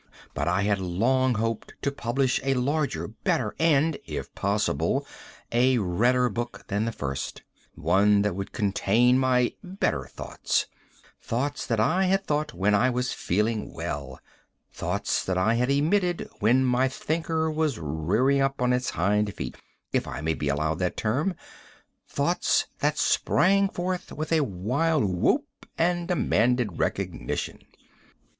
But I had long hoped to publish a larger, better and, if possible, a redder book than the first; one that would contain my better thoughts, thoughts that I had thought when I was feeling well; thoughts that I had emitted while my thinker was rearing up on its hind feet, if I may be allowed that term; thoughts that sprang forth with a wild whoop and demanded recognition.